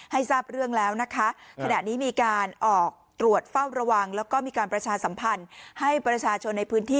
ทราบเรื่องแล้วนะคะขณะนี้มีการออกตรวจเฝ้าระวังแล้วก็มีการประชาสัมพันธ์ให้ประชาชนในพื้นที่